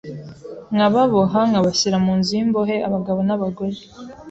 nkababoha nkabashyira mu nzu y’imbohe abagabo n’abagore.